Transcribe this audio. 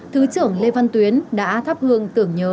thứ trưởng lê văn tuyến đã thắp hương tưởng nhớ